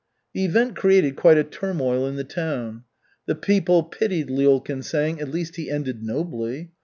The event created quite a turmoil in the town. The people pitied Lyulkin, saying, "At least he ended nobly!"